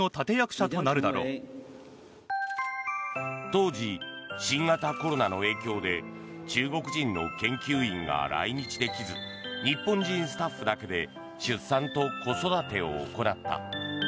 当時、新型コロナの影響で中国人の研究員が来日できず日本人スタッフだけで出産と子育てを行った。